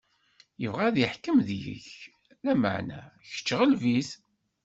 Ibɣa ad iḥkem deg-k, lameɛna, kečč ɣleb-it.